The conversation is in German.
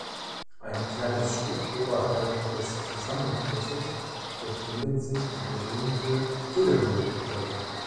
Ein kleines Stück oberhalb des Zusammenflusses befindet sich die berühmte Hillary-Brücke.